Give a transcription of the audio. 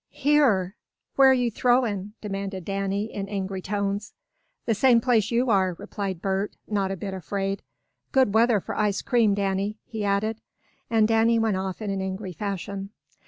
"Here! Where you throwin'?" demanded Danny, in angry tones. "The same place you are," replied Bert, not a bit afraid. "Good weather for ice cream, Danny," he added, and Danny went off in an angry fashion.